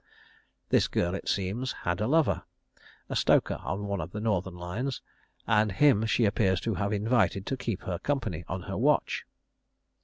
This girl, it seems, had a lover a stoker on one of the northern lines and him she appears to have invited to keep her company on her watch.